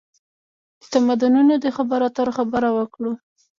د تمدنونو د خبرواترو خبره وکړو.